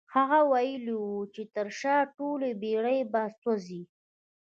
هغه ويلي وو چې تر شا ټولې بېړۍ به سوځوي.